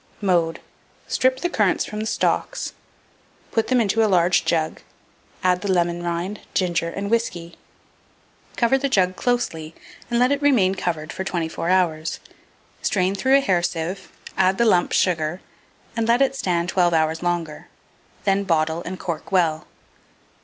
Mode. Strip the currants from the stalks; put them into a large jug; add the lemon rind, ginger, and whiskey; cover the jug closely, and let it remain covered for 24 hours. Strain through a hair sieve, add the lump sugar, and let it stand 12 hours longer; then bottle, and cork well.